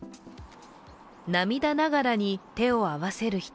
涙ながらに手を合わせる人。